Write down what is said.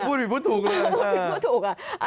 พูดผิดพูดถูกเลย